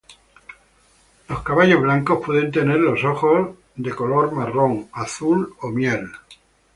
Los caballos blancos pueden tener ojos de color marrón, azul o miel.